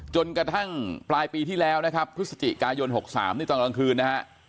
จนกระทั่งปลายปีที่แล้วนะครับพฤศจิกายน๖๓นี่ตอนกลางคืนนะฮะ